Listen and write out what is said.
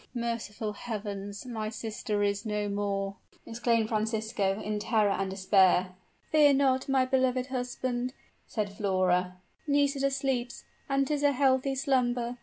"Merciful Heavens! my sister is no more!" exclaimed Francisco, in terror and despair. "Fear not, my beloved husband," said Flora; "Nisida sleeps, and 'tis a healthy slumber.